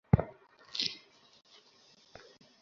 এক সেকেন্ড দাঁড়াও!